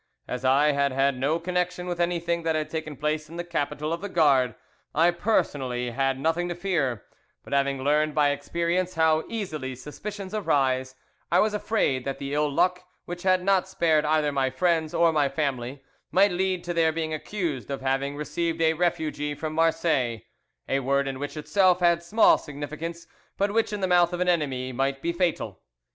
As I had had no connection with anything that had taken place in the capital of the Gard, I personally had nothing to fear; but having learned by experience how easily suspicions arise, I was afraid that the ill luck which had not spared either my friends or my family might lead to their being accused of having received a refugee from Marseilles, a word which in itself had small significance, but which in the mouth of an enemy might be fatal.